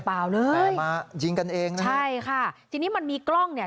เปล่าเลยใช่ค่ะทีนี้มันมีกล้องเนี่ย